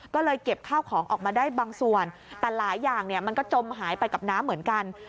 ก็เลยเก็บข้าวของออกมาได้บางส่วนแต่หลายอย่างมันก็จมหายไปกับน้ำเหมือนกัน